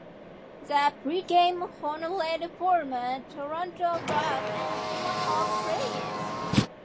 The pre-game honored former Toronto Rock and Tomahawk players.